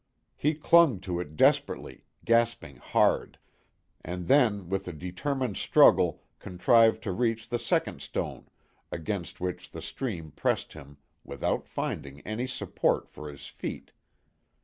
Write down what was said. He clung to it desperately, gasping hard; and then with a determined struggle contrived to reach the second stone, against which the stream pressed him, without finding any support for his feet.